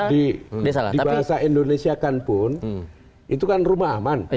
di bahasa indonesia kan pun itu kan rumah aman